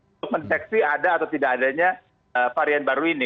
untuk mendeteksi ada atau tidak adanya varian baru ini